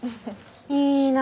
いいな。